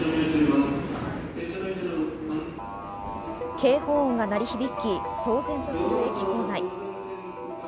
警報音が鳴り響き騒然とする駅構内。